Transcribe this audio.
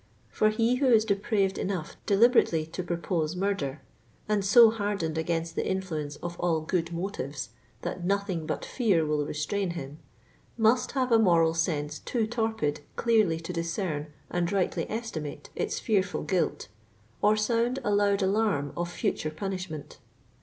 For he who is depraved enough deliberately to purpose murder, and so hardened against the influ ence of all "good motives" that *• nothing but fear will restrain" him, must have a moral sense too torpid clearly to discern and rightly estimate its fearful guilt, or sound a loud alarm of future punishment.